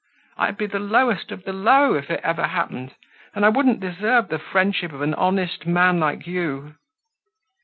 I'd be the lowest of the low if it ever happened, and I wouldn't deserve the friendship of an honest man like you."